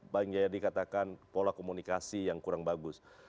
bang yaya dikatakan pola komunikasi yang kurang bagus